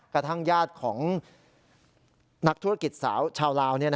กระทั่งญาติของนักธุรกิจสาวชาวลาว